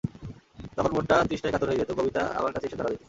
তখন মনটা তৃষ্ণায় কাতর হয়ে যেত, কবিতা আমার কাছে এসে ধরা দিত।